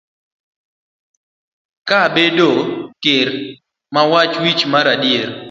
Ka abedo ker, wach wich ma adier.